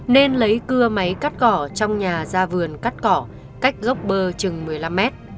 nên lấy cưa máy cắt cỏ trong nhà ra vườn cắt cỏ cách gốc bơ chừng một mươi năm mét